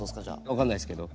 分かんないっすけど。